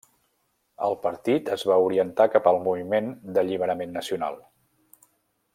El partit es va orientar cap al moviment d'alliberament nacional.